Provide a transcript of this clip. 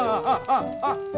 あっ！